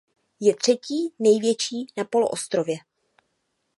Je třetí největší na poloostrově.